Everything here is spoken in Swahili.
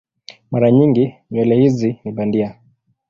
Mara nyingi nywele hizi ni bandia.